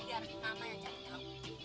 biar mama yang cari tahu